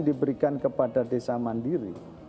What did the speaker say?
diberikan kepada desa mandiri